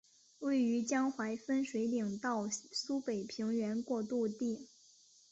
位于江淮分水岭到苏北平原过度地。